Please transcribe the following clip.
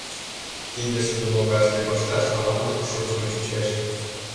тиде шудо лоҥгаште кошташ ала-мо шучкын чучеш.